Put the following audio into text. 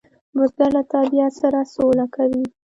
بزګر له طبیعت سره سوله کوي